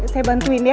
saya bantuin ya